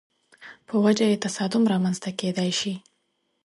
په وجه یې تصادم رامنځته کېدای شي.